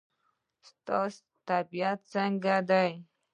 ستا طبیعت څنګه دی؟